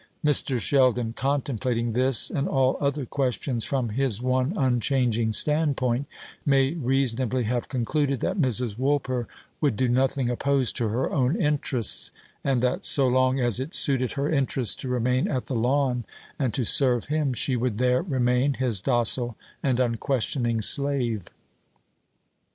Mr. Sheldon, contemplating this and all other questions from his one unchanging standpoint, may reasonably have concluded that Mrs. Woolper would do nothing opposed to her own interests; and that so long as it suited her interest to remain at the Lawn, and to serve him, she would there remain, his docile and unquestioning slave.